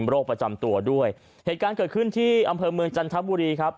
ประจำตัวด้วยเหตุการณ์เกิดขึ้นที่อำเภอเมืองจันทบุรีครับ